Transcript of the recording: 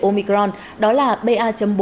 omicron đó là ba bốn